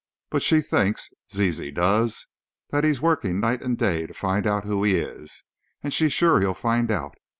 But she thinks, Zizi does, that he's working night and day to find out who he is, and she's sure he'll find out.